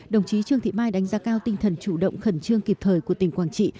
đồng chí trương thị mai đánh giá cao tinh thần chủ động khẩn trương kịp thời của tỉnh quảng trị